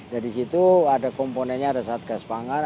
nah disitu ada komponennya ada satgas pangan